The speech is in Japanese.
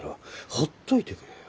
ほっといてくれよ。